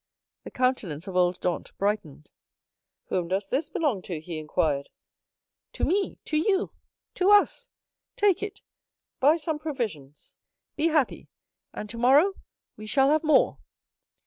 The countenance of old Dantès brightened. "Whom does this belong to?" he inquired. "To me, to you, to us! Take it; buy some provisions; be happy, and tomorrow we shall have more."